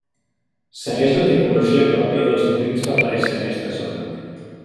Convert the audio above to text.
Segueix la tipologia pròpia dels molins paperers d'aquesta zona.